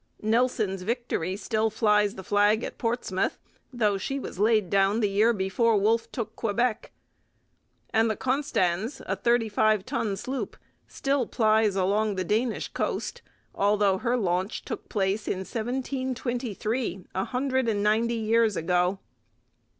Nelson's Victory still flies the flag at Portsmouth, though she was laid down the year before Wolfe took Quebec. And the Konstanz, a thirty five ton sloop, still plies along the Danish coast, although her launch took place in 1723 a hundred and ninety years ago.